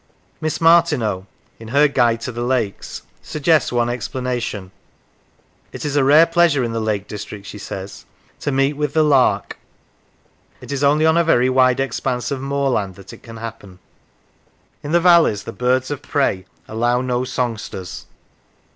Miss Martineau, in her " Guide to the Lakes," suggests one explanation: " It is a rare pleasure in the Lake District," she says, " to meet with the lark. It is only on a very wide expanse of moorland that it can happen. In the valleys the birds of prey allow no songsters."